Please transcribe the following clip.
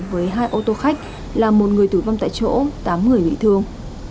với hai ô tô khách là một người tử vong tại chỗ tám người bị thương